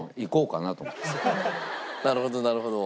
なるほどなるほど。